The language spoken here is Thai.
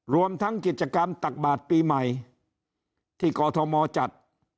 รวมทั้งกิจกรรมตักบาทปีใหม่ที่กอทมจัด